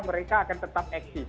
mereka akan tetap eksis